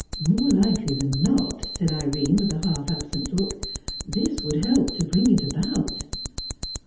"More likely than not," said Irene, with a half absent look, "this would help to bring it about."